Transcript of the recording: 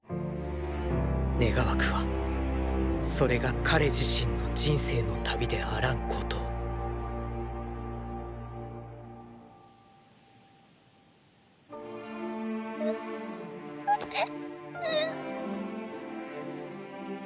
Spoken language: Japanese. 願わくはそれが「彼自身」の人生の旅であらんことをうっうぅっ。